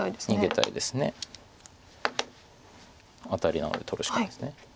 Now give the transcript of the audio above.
アタリなので取るしかないです。